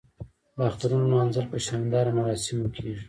د اخترونو لمانځل په شاندارو مراسمو کیږي.